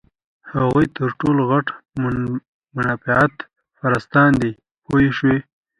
هغوی تر ټولو غټ منفعت پرستان دي پوه شوې!.